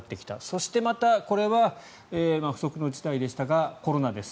そしてまたこれは不測の事態でしたがコロナです。